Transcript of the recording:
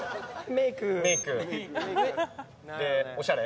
メイク。でおしゃれ？